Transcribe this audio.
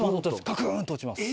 ガクンと落ちます。